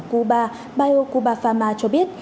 cuba biocuba pharma cho biết